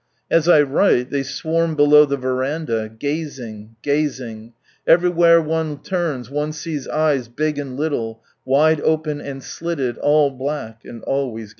As I write they swarm below the verandah, gazing, gazing. Everywhere one turns one sees eyes big and little, wide open and slitted, all black, and always len crowded in too.